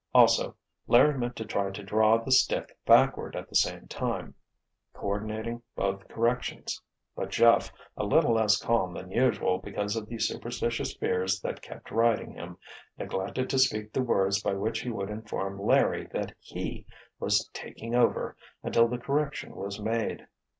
Also, Larry meant to try to draw the stick backward at the same time, coordinating both corrections; but Jeff, a little less calm than usual because of the superstitious fears that kept riding him, neglected to speak the words by which he would inform Larry that he was "taking over" until the correction was made.